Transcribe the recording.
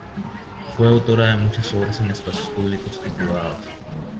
Fue autora de muchas obras en espacios públicos y privados.